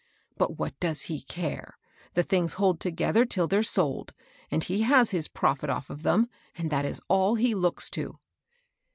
But what does he care? The things hold together till they're sold, and he has his profit off of them, and that is all he looks to."